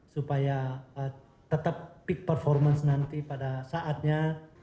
supaya tetap peak performance nanti pada saatnya